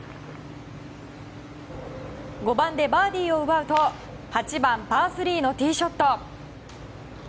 ５番でバーディーを奪うと８番、パー３のティーショット。